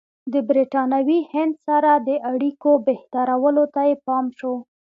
د برټانوي هند سره د اړیکو بهترولو ته یې پام شو.